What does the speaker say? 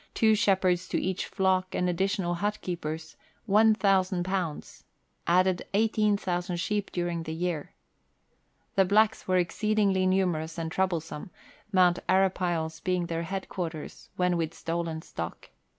two shepherds to each flock, and additional hut keepers, 1,000; added 18,000 sheep during the year. The blacks were exceedingly numerous and trouble some, Mount Arapiles being their head quarters when with stolen stock.